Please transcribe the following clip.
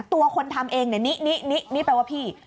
ตัวคนทำเองเนี่ยนิแปลว่าพี่